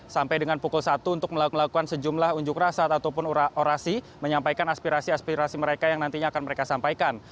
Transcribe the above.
sampai dengan pukul satu untuk melakukan sejumlah unjuk rasa ataupun orasi menyampaikan aspirasi aspirasi mereka yang nantinya akan mereka sampaikan